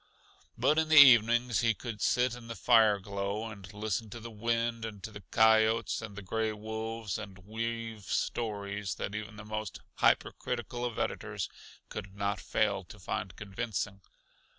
But in the evenings he could sit in the fire glow and listen to the wind and to the coyotes and the gray wolves, and weave stories that even the most hyper critical of editors could not fail to find convincing.